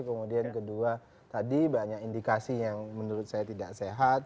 kemudian kedua tadi banyak indikasi yang menurut saya tidak sehat